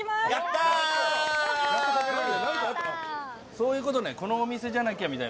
そういうことね。